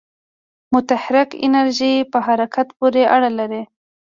متحرک انرژی په حرکت پورې اړه لري.